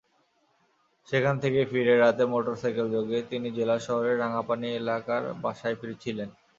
সেখান থেকে ফিরে রাতে মোটরসাইকেলযোগে তিনি জেলা শহরের রাঙাপানি এলাকার বাসায় ফিরছিলেন।